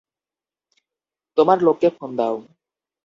তোমার লোককে ফোন দাও।